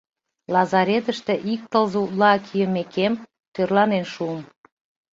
— Лазаретыште ик тылзе утла кийымекем, тӧрланен шуым.